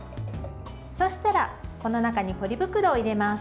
そしたら、この中にポリ袋を入れます。